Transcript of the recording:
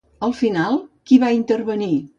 Al final, qui va intervenir?